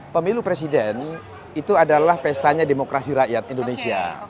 pemilu presiden itu adalah pestanya demokrasi rakyat indonesia